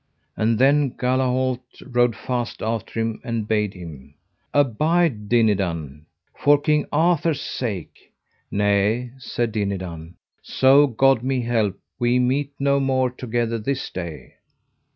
And then Galahalt rode fast after him, and bade him: Abide, Dinadan, for King Arthur's sake. Nay, said Dinadan, so God me help, we meet no more together this day.